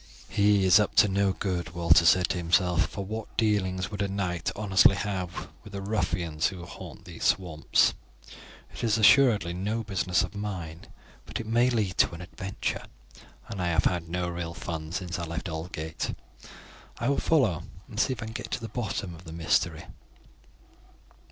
"He is up to no good," Walter said to himself, "for what dealings could a knight honestly have with the ruffians who haunt these swamps. It is assuredly no business of mine, but it may lead to an adventure, and I have had no real fun since I left Aldgate. I will follow and see if I can get to the bottom of the mystery."